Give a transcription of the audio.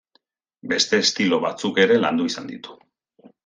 Beste estilo batzuk ere landu izan ditu.